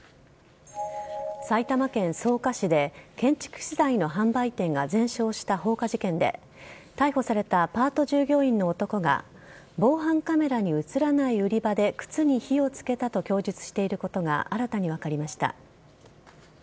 埼玉県草加市で建築資材の販売店が全焼した放火事件で逮捕されたパート従業員の男が防犯カメラに映らない売り場で靴に火をつけたと供述していることが新たに分かりました。